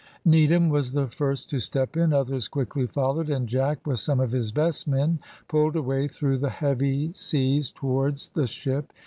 Needham was the first to step in, others quickly followed, and Jack, with some of his best men, pulled away through the heavy seas towards the ship.